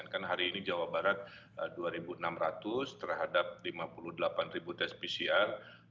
kan hari ini jawa barat dua enam ratus terhadap lima puluh delapan tes pcr